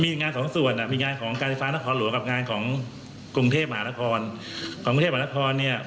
มีงานของส่วนมีงานของการทฤษฎีส่างนครหลวงกับงานของกรุงเทพหมาละคร